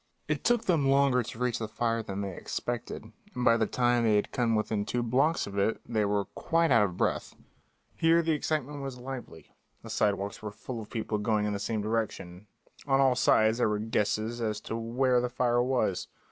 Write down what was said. It took them longer to reach the fire than they expected, and by the time they had come within two blocks of it they were quite out of breath. Here the excitement was lively; the sidewalks were full of people going in the same direction; on all sides there were guesses as to where the fire was.